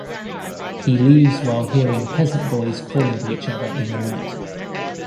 He leaves while hearing peasant boys calling to each other in the night.